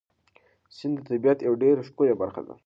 سیند د طبیعت یوه ډېره ښکلې برخه ده.